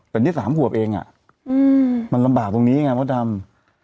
แต่นี่๓ขวบเองมันลำบากตรงนี้ไงมดดำ